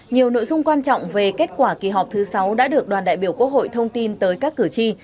nhiều nội dung quan trọng về kết quả kỳ họp thứ sáu đã được đoàn đại biểu quốc hội thông tin tới các cử tri